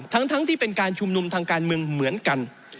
ทั้งที่เป็นการชุมนุมทางการเมืองเหมือนกัน